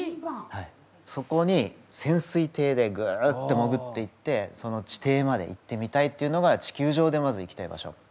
そこに潜水艇でグッてもぐっていってその地底まで行ってみたいっていうのが地球上でまず行きたい場所。